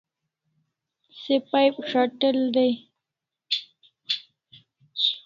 Se pipe shat'el dai